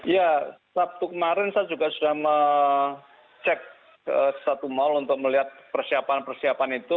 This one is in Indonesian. ya sabtu kemarin saya juga sudah mengecek satu mal untuk melihat persiapan persiapan itu